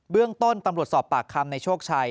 เรื่องต้นตำรวจสอบปากคำในโชคชัย